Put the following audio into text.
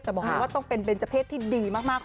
แต่บอกเลยว่าต้องเป็นเบนเจอร์เพศที่ดีมาก